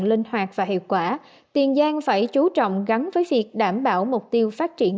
linh hoạt và hiệu quả tiền giang phải chú trọng gắn với việc đảm bảo mục tiêu phát triển